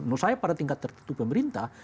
menurut saya pada tingkat tertentu pemerintah